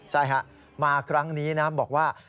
ใช่ฮะมาครั้งนี้นะบอกว่า